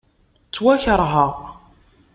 Ttwakeṛheɣ.